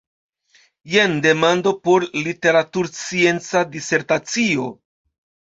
Jen demando por literaturscienca disertacio.